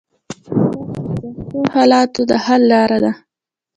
صبر د سختو حالاتو د حل لار ده.